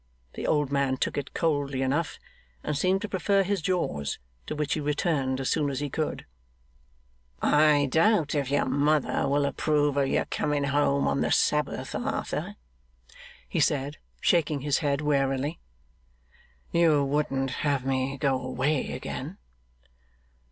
The old man took it coldly enough, and seemed to prefer his jaws, to which he returned as soon as he could. 'I doubt if your mother will approve of your coming home on the Sabbath, Arthur,' he said, shaking his head warily. 'You wouldn't have me go away again?